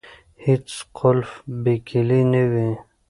هیڅ قلف بې کیلي نه وي.